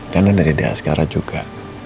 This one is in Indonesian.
karena ada dehaskara juga